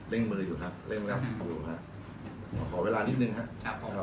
เร่งมืออยู่ครับเร่งมืออยู่ครับ